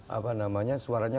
apa namanya suaranya